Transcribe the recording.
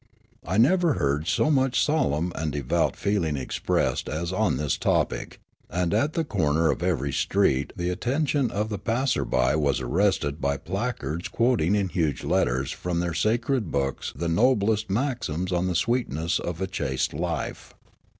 I never heard so much solemn and devout feeling expressed as on this topic ; and at the corner of every street the at tention of the passer by was arrested by placards quot ing in huge letters from their sacred books the noblest maxims on the sweetness of a chaste life.